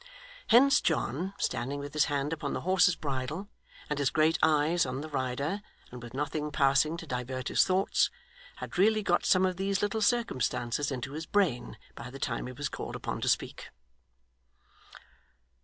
Hence John, standing with his hand upon the horse's bridle, and his great eyes on the rider, and with nothing passing to divert his thoughts, had really got some of these little circumstances into his brain by the time he was called upon to speak.